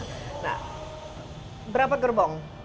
nah berapa gerbong